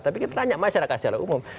tapi kita tanya masyarakat secara umum